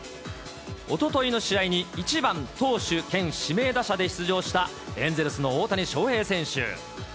おとといの試合に、１番投手兼指名打者で出場したエンゼルスの大谷翔平選手。